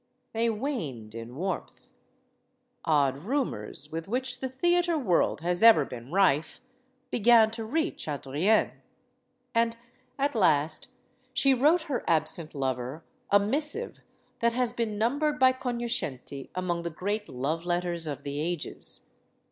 They waned in warmth. Odd rumors with which the theater world has ever been rife began to reach Adrienne. And at last she wrote her absent lover a missive that has been num bered by cognoscenti among the great love letters of the ages.